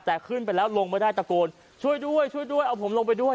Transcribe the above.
แต่ขึ้นไปแล้วลงไม่ได้ตะโกนช่วยด้วยช่วยด้วยเอาผมลงไปด้วย